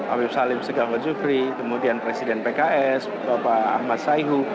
awif salim segambar zufri kemudian presiden pks bapak ahmad saihu